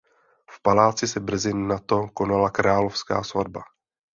V paláci se brzy nato konala královská svatba.